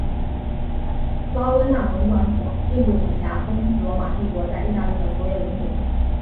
拉温纳总管府并不统辖东罗马帝国在意大利的所有领土。